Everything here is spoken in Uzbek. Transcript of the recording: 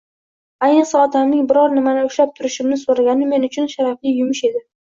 Ayniqsa, otamning biror nimani ushlab turishimni so`ragani men uchun sharafli yumush edi